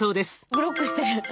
ブロックしてる。